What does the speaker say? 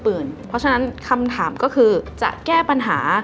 เพราะฉะนั้นคำถามก็คือจะแก้ปัญหา